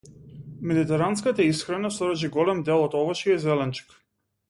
Медитеранската исхрана содржи голем дел од овошје и зеленчук.